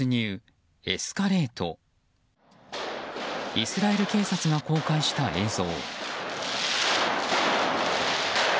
イスラエル警察が公開した映像。